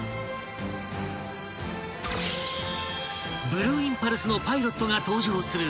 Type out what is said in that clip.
［ブルーインパルスのパイロットが搭乗する］